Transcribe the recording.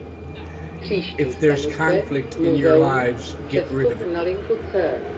If there's conflict in your lives - get rid of it.